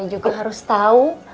juga harus tau